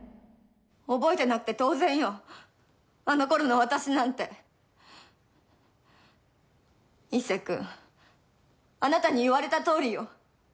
覚えてなくて当然よあの頃の私なんて壱成君あなたに言われたとおりよ